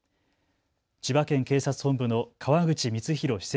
千葉県警察本部の川口光浩首席